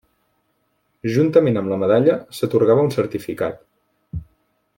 Juntament amb la medalla s'atorgava un certificat.